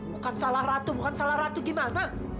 bukan salah ratu bukan salah ratu gimana